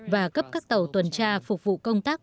và cấp các tàu tuần tra phục vụ công tác